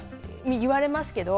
言われますけど。